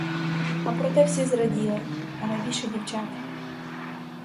А проте всі зраділи, а найбільше дівчата.